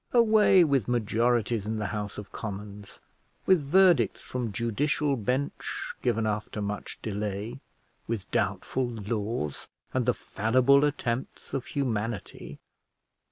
Away with majorities in the House of Commons, with verdicts from judicial bench given after much delay, with doubtful laws, and the fallible attempts of humanity!